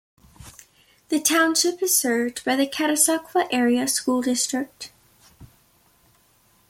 The Township is served by the Catasauqua Area School District.